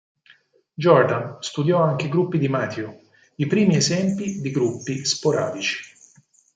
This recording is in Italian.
Jordan studiò anche i gruppi di Mathieu, i primi esempi di gruppi sporadici.